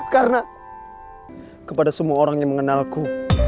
karena kepada semua orang yang mengenalku